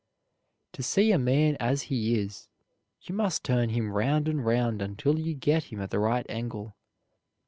To see a man as he is you must turn him round and round until you get him at the right angle.